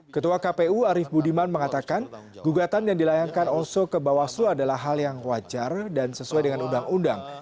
ketua kpu arief budiman mengatakan gugatan yang dilayangkan oso ke bawaslu adalah hal yang wajar dan sesuai dengan undang undang